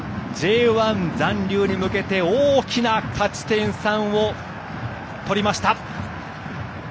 Ｊ１残留に向けて大きな勝ち点３を取りました。